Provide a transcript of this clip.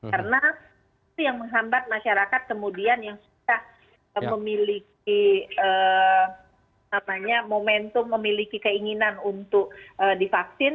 karena itu yang menghambat masyarakat kemudian yang sudah memiliki momentum memiliki keinginan untuk divaksin